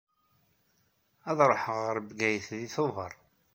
Ad ruḥeɣ ɣer Bgayet deg Tubeṛ.